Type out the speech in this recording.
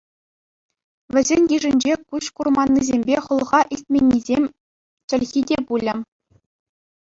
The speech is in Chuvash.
Вӗсен йышӗнче куҫ курманнисемпе хӑлха илтменнисен чӗлхи те пулӗ.